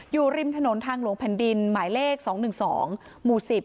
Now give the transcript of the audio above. อยู่ริมถนนทางหลวงแผ่นดินหมายเลข๒๑๒หมู่๑๐